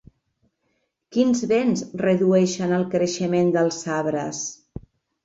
Quins vents redueixen el creixement dels arbres?